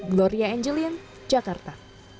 gloria angelin jakarta